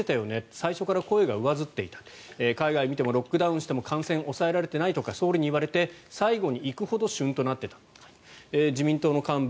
最初から声が上ずっていた海外見てもロックダウンしても感染抑えられていないとか総理に言われて最後に行くほどしゅんとなっていた自民党の幹部。